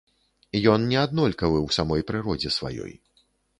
Ён не аднолькавы ў самой прыродзе сваёй.